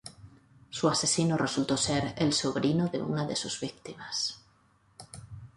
Su asesino resultó ser el sobrino de una de sus víctimas.